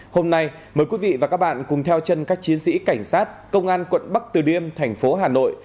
hôm nay mời quý vị và các bạn cùng theo chân các chiến sĩ cảnh sát công an quận bắc từ liêm thành phố hà nội